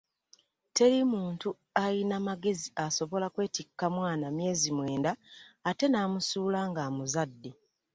Teri muntu ayina magezi asobola kwetikka mwana myezi mwenda ate n'amusuula ng'amuzadde.